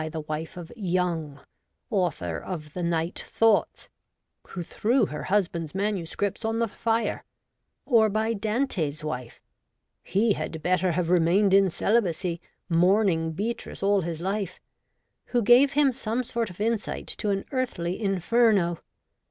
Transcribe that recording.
99 the wife of Young, author of the Night Thoughts, who threw her husband's manuscripts on the fire, or by Dante's wife — he had better have remained in ceHbacy, mourning Beatrice all his life — who gave him some sort of insight to an earthly Inferno.